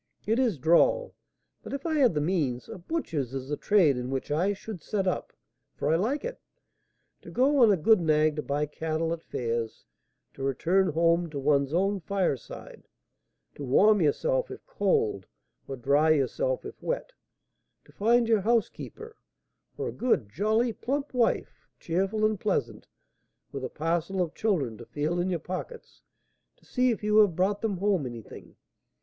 It is droll, but if I had the means, a butcher's is the trade in which I should set up, for I like it. To go on a good nag to buy cattle at fairs, to return home to one's own fireside, to warm yourself if cold, or dry yourself if wet, to find your housekeeper, or a good, jolly, plump wife, cheerful and pleasant, with a parcel of children to feel in your pockets to see if you have brought them home anything!